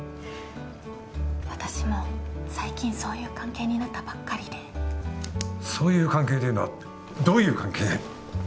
私も最近そういう関係になったばっかりでそういう関係というのはどういう関係で？